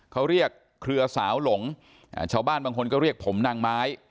เขาเรียกเครือสาวหลงชาวบ้านบางคนก็เรียกผมนางไม้